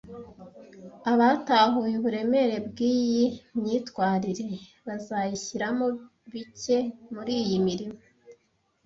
Abatahuye uburemere bwiyi myitwarire bazashyiramo bike muriyi mirimo